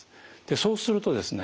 そうするとですね